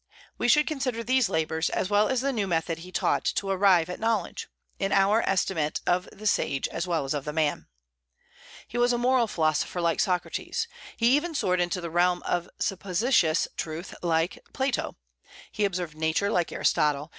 We should consider these labors, as well as the new method he taught to arrive at knowledge, in our estimate of the sage as well as of the man. He was a moral philosopher, like Socrates. He even soared into the realm of supposititious truth, like Plato. He observed Nature, like Aristotle.